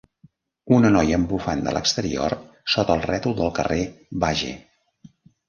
Una noia amb bufanda a l'exterior sota el rètol del carrer Bage.